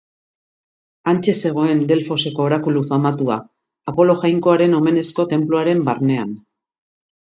Hantxe zegoen Delfoseko orakulu famatua, Apolo jainkoaren omenezko tenpluaren barnean.